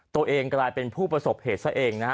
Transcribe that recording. ตัวเองกลายเป็นผู้ประสบเหตุซะเองนะฮะ